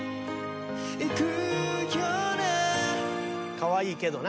かわいいけどな。